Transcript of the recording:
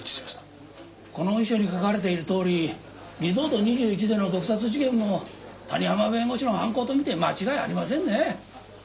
この遺書に書かれているとおりリゾート２１での毒殺事件も谷浜弁護士の犯行とみて間違いありませんね。